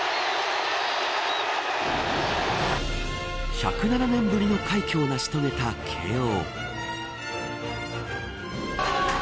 １０７年ぶりの快挙を成し遂げた慶応。